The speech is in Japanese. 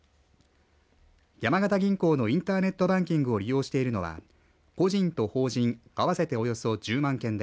山形銀行のインターネットバンキングを利用しているのは個人と法人合わせておよそ１０万件で